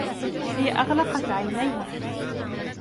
هي أغلقت عينيها.